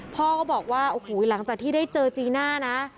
พ่อก็บอกว่าโอ้โหหลังจากที่ได้เจอจีน่านะ